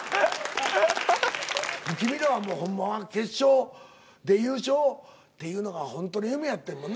君らはもうほんまは決勝で優勝っていうのがほんとの夢やってんもんな。